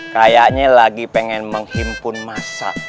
kayaknya lagi pengen menghimpun masa